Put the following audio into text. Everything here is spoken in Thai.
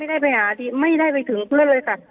ไม่ได้ไปถึงเพื่อนเลยค่ะ